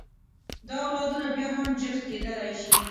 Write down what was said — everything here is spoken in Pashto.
دا اولادونه بیا هم جفت کېدلی شي.